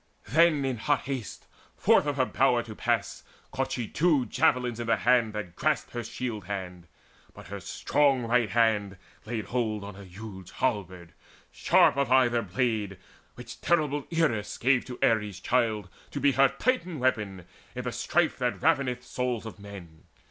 Then in hot haste forth of her bower to pass Caught she two javelins in the hand that grasped Her shield band; but her strong right hand laid hold On a huge halberd, sharp of either blade, Which terrible Eris gave to Ares' child To be her Titan weapon in the strife That raveneth souls of men.